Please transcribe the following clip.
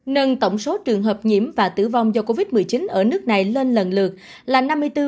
nâng tổng số trường hợp nhiễm và tử vong do covid một mươi chín ở nước này lên lần lượt là năm mươi bốn